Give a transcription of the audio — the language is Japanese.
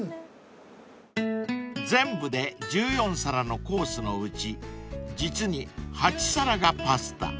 ［全部で１４皿のコースのうち実に８皿がパスタ］